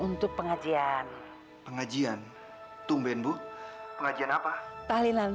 untuk pengajian pengajian tumben bu pengajian apa tahlilan